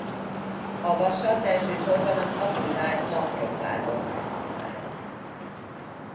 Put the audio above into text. A vasat elsősorban az aktivált makrofágok veszik fel.